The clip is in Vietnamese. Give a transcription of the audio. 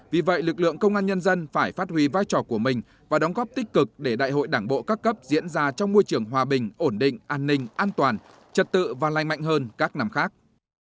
vì vậy lực lượng công an nhân dân phải phát huy vai trò của mình và đóng góp tích cực để đại hội đảng bộ các cấp diễn ra trong môi trường hòa bình ổn định an ninh an toàn trật tự và lanh mạnh hơn các năm khác